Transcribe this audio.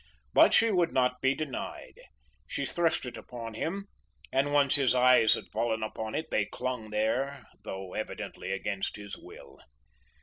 But she would not be denied. She thrust it upon him and once his eyes had fallen upon it, they clung there though evidently against his will.